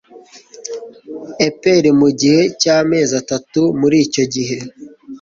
EPR mu gihe cy amezi atatu Muri icyo gihe